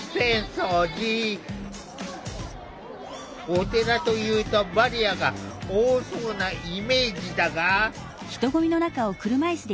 お寺というとバリアが多そうなイメージだが。